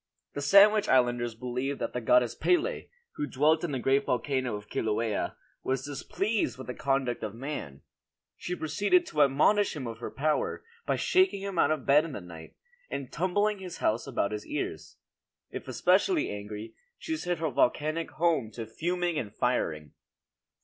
The Sandwich Islanders believed that the goddess Pele, who dwelt in the great volcano of Kilauea, was displeased with the conduct of man; she proceeded to admonish him of her power, by shaking him out of bed in the night, or tumbling his house about his ears. If especially angry, she set her volcanic home to fuming and firing.